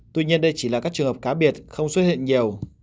tuy nhiên đây chỉ là các trường hợp cá biệt không xuất hiện nhiều